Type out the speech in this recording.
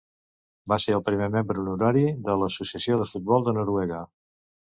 Va ser el primer membre honorari de l'Associació de Futbol de Noruega.